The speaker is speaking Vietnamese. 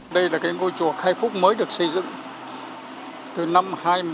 đây là cái ngôi chùa khai phúc mới được xây dựng từ năm hai nghìn một mươi